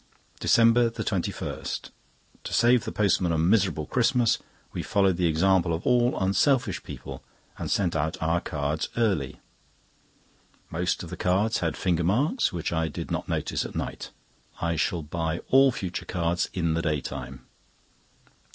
DECEMBER 21.—To save the postman a miserable Christmas, we follow the example of all unselfish people, and send out our cards early. Most of the cards had finger marks, which I did not notice at night. I shall buy all future cards in the daytime.